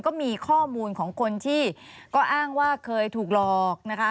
ก็มีข้อมูลของคนที่ก็อ้างว่าเคยถูกหลอกนะคะ